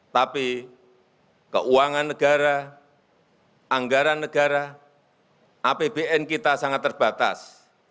tapi keuangan negara anggaran negara apbn kita sangat terbatas